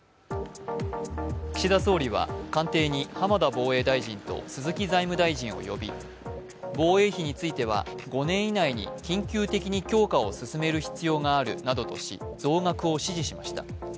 岸田総理は官邸に浜田防衛大臣と鈴木財務大臣を呼び、防衛費については５年以内に緊急的に強化を進める必要があるなどとし増額を指示しました。